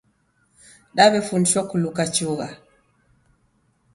Daw'efundishwa kuluka chugha